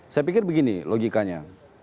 saya pikir begini logikanya